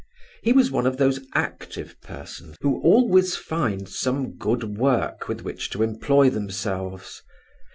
He was one of those active persons who always find some good work with which to employ themselves.